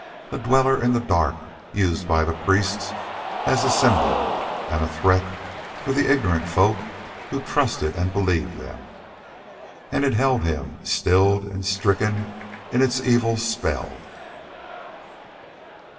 A dweller in the dark, used by the priests as a symbol and a threat for the ignorant folk who trusted and believed them. And it held him, stilled and stricken, in its evil spell.